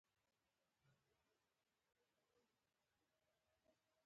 زوړ عمر څښتن خوشاله سړی وو.